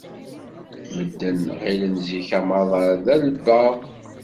Medden ɣilen zik amaḍal d alebbaḍ.